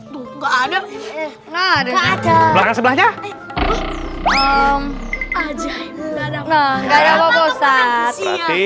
nggak ada ada sebelahnya